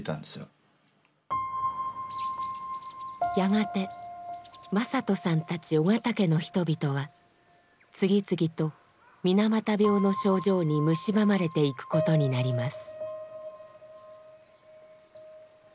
やがて正人さんたち緒方家の人々は次々と水俣病の症状にむしばまれていくことになります。